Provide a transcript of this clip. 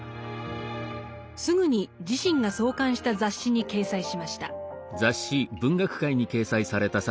すぐに自身が創刊した雑誌に掲載しました。